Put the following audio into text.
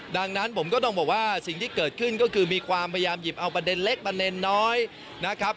ดังนั้นผมก็ต้องบอกว่าสิ่งที่เกิดขึ้นก็คือมีความพยายามหยิบเอาประเด็นเล็กประเด็นน้อยนะครับ